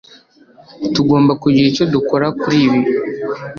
tugomba kugira icyo dukora kuri ibi